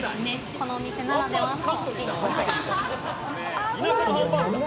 このお店ならではの。